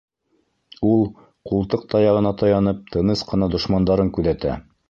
Ул, ҡултыҡ таяғына таянып, тыныс ҡына дошмандарын күҙәтә.